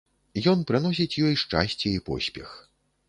Ён прыносіць ёй шчасце і поспех.